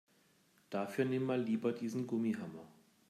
Dafür nimm mal lieber diesen Gummihammer.